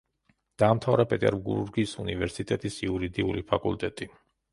დაამთავრა პეტერბურგის უნივერსიტეტის იურიდიული ფაკულტეტი.